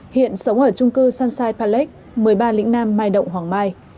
hiện sống ở chung cư san sai palek một mươi ba lĩnh nam mai động hòng mai